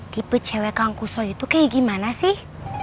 tipe cewek kang kusoy itu kayak gimana sih